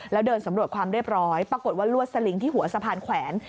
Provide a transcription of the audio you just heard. แล้วเดินสำรวจความเรียบร้อยปรากฏว่าลวดสลิงที่หัวสะพานแขวน